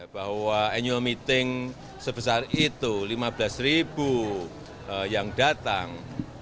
bahwa annual meeting sebesar itu lima belas ribu yang datang